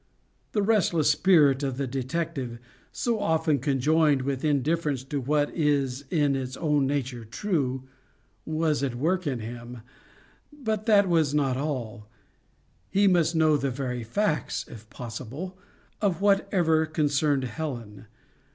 The restless spirit of the detective, so often conjoined with indifference to what is in its own nature true, was at work in him but that was not all: he must know the very facts, if possible, of whatever concerned Helen.